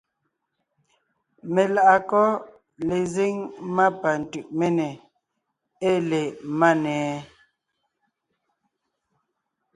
Meláʼakɔ́ lezíŋ má pa Tʉʼméne ée le Máne?